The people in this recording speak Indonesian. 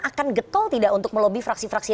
akan getol tidak untuk melobi fraksi fraksi